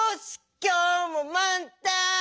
きょうもまんたん！